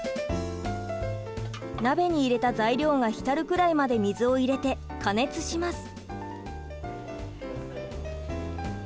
鍋に入れた材料が浸るくらいまで水を入れて加熱します。